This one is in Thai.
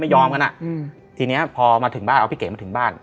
ยอมกันอ่ะอืมทีเนี้ยพอมาถึงบ้านเอาพี่เก๋มาถึงบ้าน